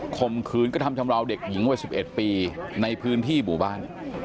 ข่มขืนกระทำชำราวเด็กหญิงวัย๑๑ปีในพื้นที่หมู่บ้าน